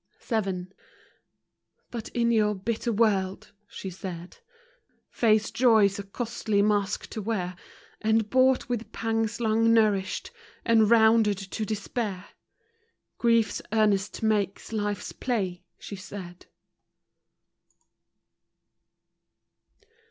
VII. But in your bitter world, she said, Face joy's a costly mask to wear, — And bought with pangs long nourished And rounded to despair. Grief's earnest makes life's play, she said.